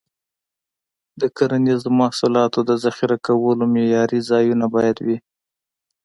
د کرنیزو محصولاتو د ذخیره کولو معیاري ځایونه باید وي.